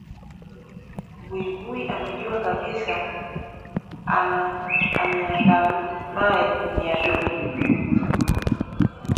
Buibui anajua kabisa, aniandamaye ni adui